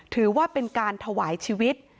ถือว่าเป็นการถวายชีวิต